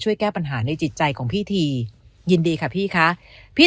แก้ปัญหาในจิตใจของพี่ทียินดีค่ะพี่คะพี่